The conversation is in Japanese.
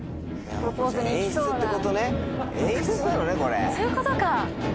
そういうことか！